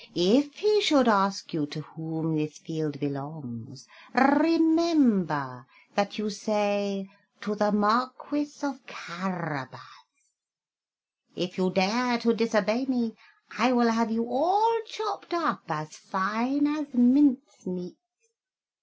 If he should ask you to whom this field belongs, remember that you say, 'To the Marquis of Carabas.' If you dare to disobey me, I will have you all chopped up as fine as mincemeat."